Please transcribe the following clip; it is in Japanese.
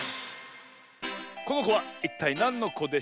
このこはいったいなんのこでしょう？